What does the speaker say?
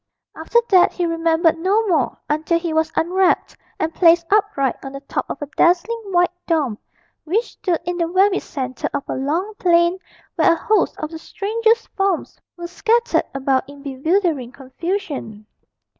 After that he remembered no more until he was unwrapped and placed upright on the top of a dazzling white dome which stood in the very centre of a long plain, where a host of the strangest forms were scattered about in bewildering confusion.